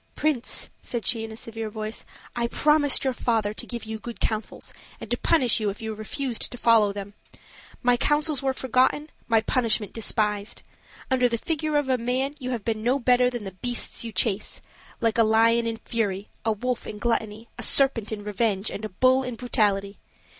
"Prince," said she, in a severe voice, "I promised your father to give you good counsels and to punish you if you refused to follow them. My counsels were forgotten, my punishment despised. Under the figure of a man, you have been no better than the beasts you chase: like a lion in fury, a wolf in gluttony, a serpent in revenge, and a bull in brutality.